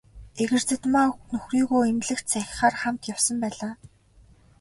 Эрэгзэдмаа нөхрийгөө эмнэлэгт сахихаар хамт явсан байлаа.